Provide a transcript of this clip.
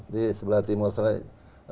di sebelah timur australia